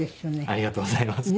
ありがとうございます。